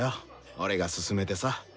俺が勧めてさ。